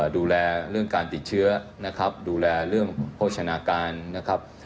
ดูแลเรื่องการติดเชื้อนะครับดูแลเรื่องโภชนาการนะครับ